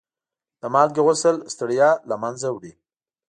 د مالګې غسل د ستړیا له منځه وړي.